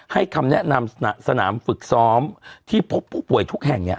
คำแนะนำสนามฝึกซ้อมที่พบผู้ป่วยทุกแห่งเนี่ย